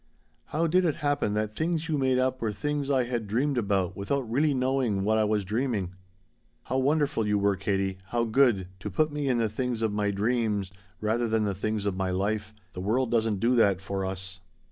How did it happen that things you made up were things I had dreamed about without really knowing what I was dreaming? How wonderful you were, Katie how good to put me in the things of my dreams rather than the things of my life. The world doesn't do that for us.